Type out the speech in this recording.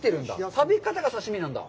食べ方が刺身なんだ。